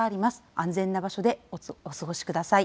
安全な場所でお過ごしください。